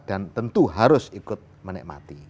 dan tentu harus ikut menikmati